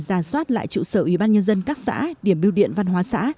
giả soát lại trụ sở ubnd các xã điểm biêu điện văn hóa xã